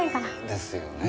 ですよね。